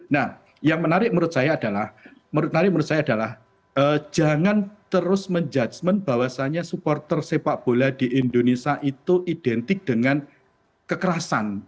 nah yang menarik menurut saya adalah jangan terus menjudge bahwasannya supporter sepak bola di indonesia itu identik dengan kekerasan